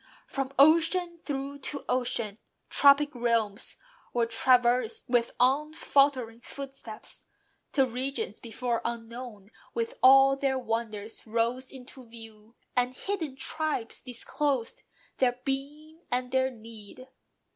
"From ocean through to ocean" tropic realms Were traversed with unfaltering footsteps, till Regions before unknown, with all their wonders Rose into view, and hidden tribes disclosed Their being and their need.